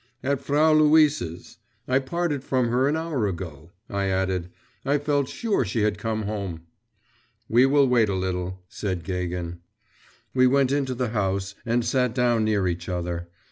'At Frau Luise's. I parted from her an hour ago,' I added. 'I felt sure she had come home.' 'We will wait a little,' said Gagin. We went into the house and sat down near each other.